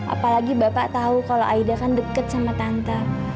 apalagi bapak tahu kalau aida kan dekat sama tante